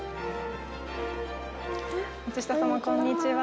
松下様、こんにちは。